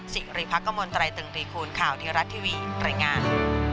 สิริภักษ์กระมวลไตรตึงตีคูณข่าวที่รัททีวีตรงงาน